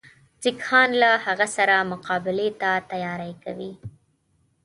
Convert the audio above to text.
سیکهان له هغه سره مقابلې ته تیاری کوي.